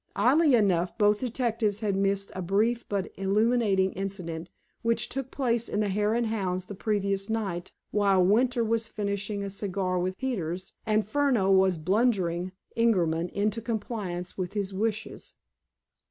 Oddly enough, both detectives had missed a brief but illuminating incident which took place in the Hare and Hounds the previous night, while Winter was finishing a cigar with Peters, and Furneaux was bludgeoning Ingerman into compliance with his wishes.